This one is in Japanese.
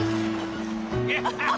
ハハハハ。